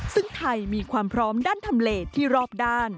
ซึ่งไทยมีความพร้อมด้านทำเลสที่รอบด้าน